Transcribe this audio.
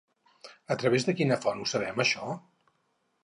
A través de quina font ho sabem, això?